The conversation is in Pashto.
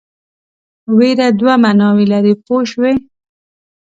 وېره دوه معناوې لري پوه شوې!.